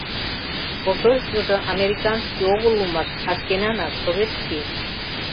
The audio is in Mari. — Посольствыжо американский огыл улмаш, а шкенанак, советский.